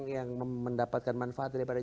yang mendapatkan manfaat dari